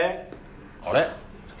あれ？